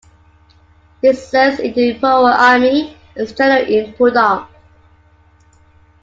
He serves in the imperial army as a general in Pudong.